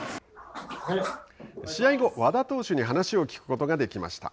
試合後、和田投手に話を聞くことができました。